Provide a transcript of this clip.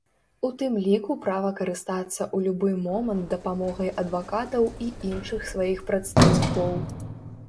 У тым ліку права карыстацца ў любы момант дапамогай адвакатаў і іншых сваіх прадстаўнікоў.